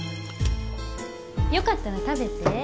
よかったら食べて。